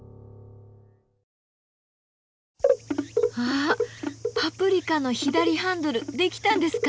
あっパプリカの左ハンドル出来たんですか？